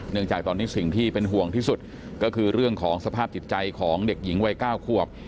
จากตอนนี้สิ่งที่เป็นห่วงที่สุดก็คือเรื่องของสภาพจิตใจของเด็กหญิงวัย๙ขวบ